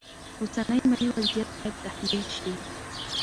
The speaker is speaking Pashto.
اوسنی مالي وضعیت باید تحلیل شي.